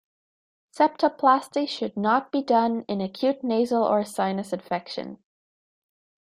Septoplasty should not be done in acute nasal or sinus infection.